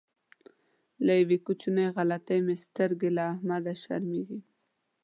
له یوې کوچنۍ غلطۍ مې سترګې له احمده شرمېږي.